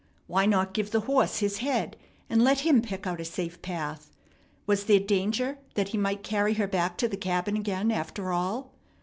Why not give the horse his head, and let him pick out a safe path? Was there danger that he might carry her back to the cabin again, after all?